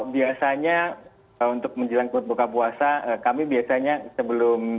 biasanya untuk menjelang berbuka puasa kami biasanya sebelum